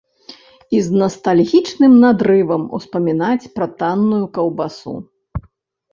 І з настальгічным надрывам успамінаць пра танную каўбасу.